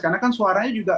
karena kan suaranya juga